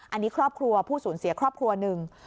อันนี้ครอบครัวผู้สูญเสียครอบครัวหนึ่ง